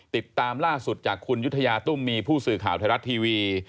ติดตามล่าสุดจากคุณยุธยาตุ้มมีผู้สื่อข่าวไทยรัฐทีวี